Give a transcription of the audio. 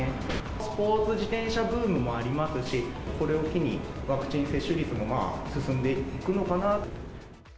スポーツ自転車ブームもありますし、これを機に、ワクチン接種率もまあ、進んでいくのかな。